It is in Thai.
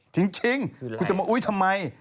จริงคุณจะมาอุ๊ยทำไม